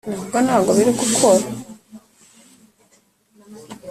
iby’irangamimerere n’iby’itangwa ry’ikarita ndangamuntu